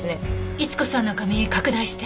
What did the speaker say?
伊津子さんの髪拡大して。